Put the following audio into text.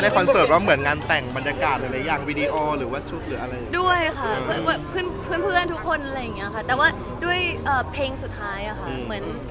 ก็เลยเรื่องนี้มันอาจดูชัดขึ้น